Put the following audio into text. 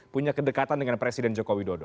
punya kedekatan dengan presiden joko widodo